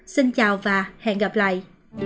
xin chào và hẹn gặp lại